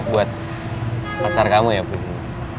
aku buat pacar kamu ya puzi